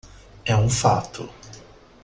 É um fato.